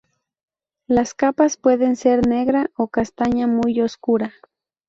Las capas pueden ser negra o castaña muy oscura.